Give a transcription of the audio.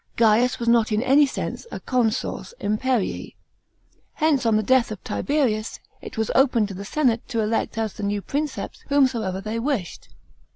Gaius was not in any sense a consors imperil. Hence on the death of Tiberius, it was open to the senate to elect as the new Princeps whomsoever they wished.